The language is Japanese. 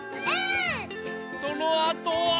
そのあとは。